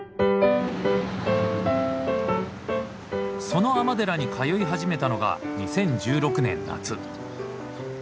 その尼寺に通い始めたのが２０１６年夏。